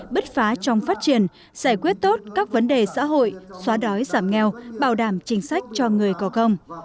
bứt phá trong phát triển giải quyết tốt các vấn đề xã hội xóa đói giảm nghèo bảo đảm chính sách cho người có công